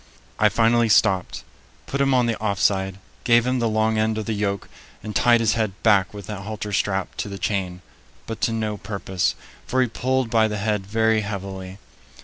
I finally stopped, put him on the off side, gave him the long end of the yoke, and tied his head back with the halter strap to the chain; but to no purpose, for he pulled by the head very heavily.